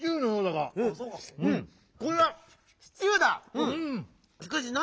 これは「シチュー」だ！